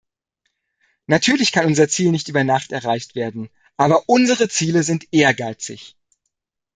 Natürlich kann unser Ziel nicht über Nacht erreicht werden, aber unsere Ziele sind ehrgeizig.